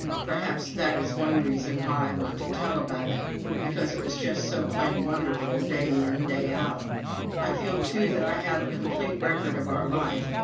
Perhaps that is one reason why I want to tell about it because it was just so plain wonderful day in, day out. I feel, too, that I have a complete record of our life.